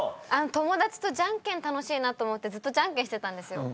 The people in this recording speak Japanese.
友達とじゃんけん楽しいなってずっとじゃんけんしてたんです。